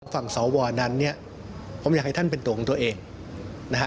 ฝั่งสวนั้นเนี่ยผมอยากให้ท่านเป็นตัวของตัวเองนะฮะ